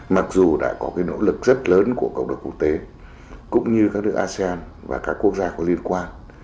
mặc dù đã có cái nỗ lực rất lớn của cộng đồng quốc tế cũng như các nước asean và các quốc gia có liên quan